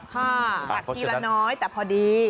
ผักทีละน้อยแต่พอดี